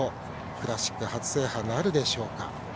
クラシック初制覇なるでしょうか。